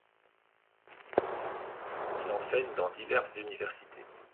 Il enseigne dans diverses universités.